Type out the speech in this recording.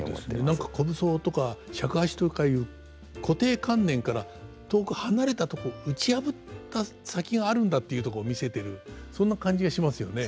何か虚無僧とか尺八とかいう固定観念から遠く離れたとこ打ち破った先があるんだっていうとこ見せてるそんな感じがしますよね。